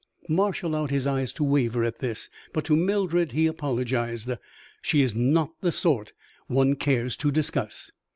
Marsh allowed his eyes to waver at this, but to Mildred he apologized. "She is not the sort one cares to discuss."